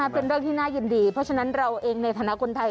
เป็นเรื่องที่น่ายินดีเพราะฉะนั้นเราเองในฐานะคนไทย